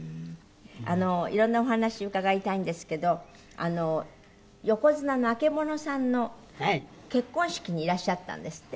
いろんなお話伺いたいんですけど横綱の曙さんの結婚式にいらっしゃったんですって？